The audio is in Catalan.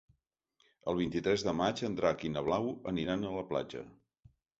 El vint-i-tres de maig en Drac i na Blau aniran a la platja.